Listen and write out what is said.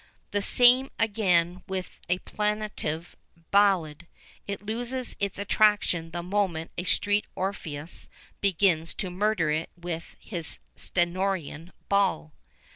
The same again with a plaintive ballad it loses its attraction the moment a street Orpheus begins to murder it with his Stentorian bawl.